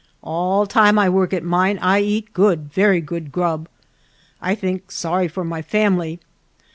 All time I work at mine I eat, good, ver' good grub. I think sorry for my fam'ly.